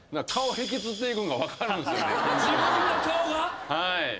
はい。